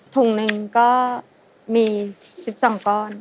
ถุงหนึ่งก็มี๑๒ก้อน